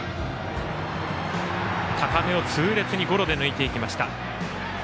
高めを痛烈にゴロで抜いていきました。